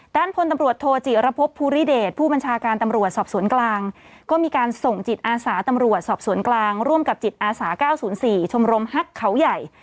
ด้านพลตำรวจโทจิระพบภูริเดชผู้บัญชาการตำรวจสอบสวนกลางก็มีการส่งจิตอาสาตำรวจสอบสวนกลางร่วมกับจิตอาสา๙๐๔ชมรมฮักเขาใหญ่